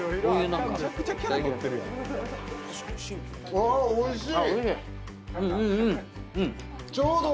あっ、おいしい！